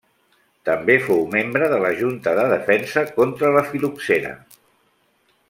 També fou membre de la Junta de Defensa contra la fil·loxera.